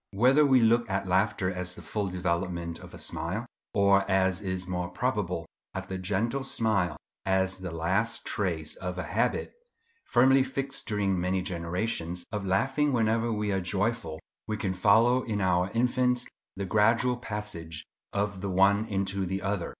Whether we look at laughter as the full development of a smile, or, as is more probable, at a gentle smile as the last trace of a habit, firmly fixed during many generations, of laughing whenever we are joyful, we can follow in our infants the gradual passage of the one into the other.